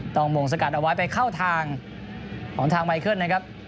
มงสกัดเอาไว้ไปเข้าทางของทางไมเคิลนะครับ